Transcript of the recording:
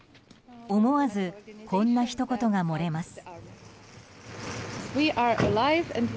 思わずこんなひと言が漏れます。